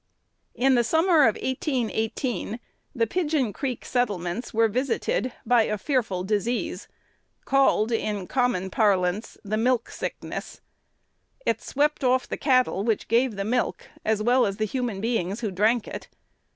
In the summer of 1818, the Pigeon Creek settlements were visited by a fearful disease, called, in common parlance, "the milk sickness." It swept off the cattle which gave the milk, as well as the human beings who drank it.